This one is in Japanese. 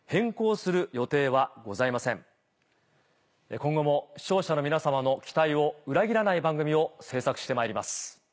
今後も視聴者の皆さまの期待を裏切らない番組を制作してまいります。